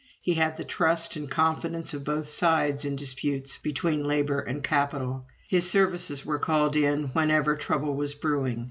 He had the trust and confidence of both sides in disputes between labor and capital; his services were called in whenever trouble was brewing.